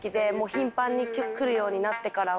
頻繁に来るようになってからは。